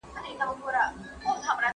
ښه نفقه د خاوند ذمه واري ده.